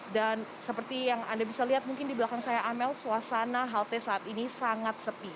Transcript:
dan seperti yang anda bisa lihat mungkin di belakang saya amel suasana halte saat ini sangat sepi